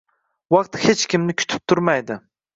Vaqt hech kimni kutib turmaydi!